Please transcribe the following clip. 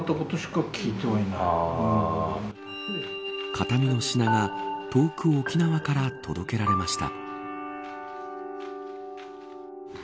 形見の品が遠く沖縄から届けられました。